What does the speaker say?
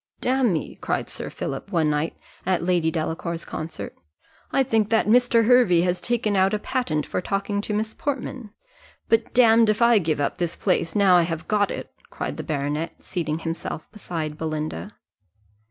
"Damme," cried Sir Philip, one night, at Lady Delacour's concert, "I think that Mr. Hervey has taken out a patent for talking to Miss Portman; but damme if I give up this place, now I have got it," cried the baronet, seating himself beside Belinda.